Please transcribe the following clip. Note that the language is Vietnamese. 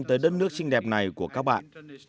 tới đất nước xinh đẹp này của các bạn